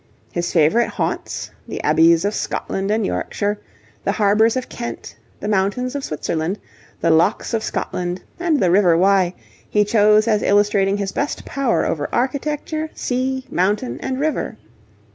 His favourite haunts, the abbeys of Scotland and Yorkshire, the harbours of Kent, the mountains of Switzerland, the lochs of Scotland, and the River Wye, he chose as illustrating his best power over architecture, sea, mountain, and river.